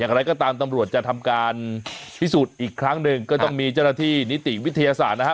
อย่างไรก็ตามตำรวจจะทำการพิสูจน์อีกครั้งหนึ่งก็ต้องมีเจ้าหน้าที่นิติวิทยาศาสตร์นะฮะ